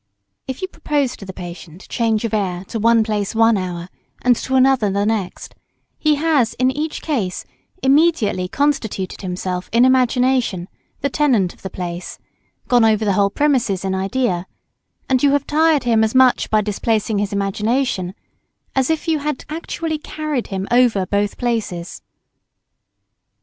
If you propose to the patient change of air to one place one hour, and to another the next, he has, in each case, immediately constituted himself in imagination the tenant of the place, gone over the whole premises in idea, and you have tired him as much by displacing his imagination, as if you had actually carried him over both places.